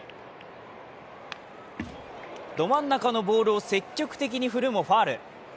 ど真ん中のボールを積極的に振るもファウル。